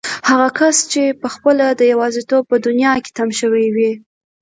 هغه کس چې پخپله د يوازيتوب په دنيا کې تم شوی وي.